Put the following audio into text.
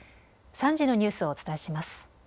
３時のニュースをお伝えします。